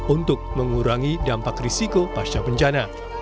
untuk mengurangi dampak risiko pasca bencana